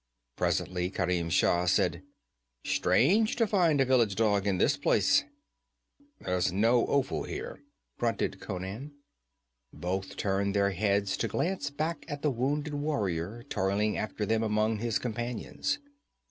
Presently Kerim Shah said: 'Strange to find a village dog in this place.' 'There's no offal here,' grunted Conan. Both turned their heads to glance back at the wounded warrior toiling after them among his companions.